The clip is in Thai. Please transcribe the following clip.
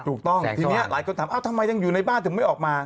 ถูกต้องทีนี้หลายคนถามทำไมยังอยู่ในบ้านถึงไม่ออกมา